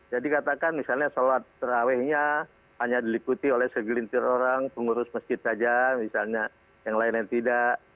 jadi katakan misalnya sholat terawihnya hanya dilikuti oleh segelintir orang pengurus masjid saja misalnya yang lainnya tidak